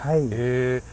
え。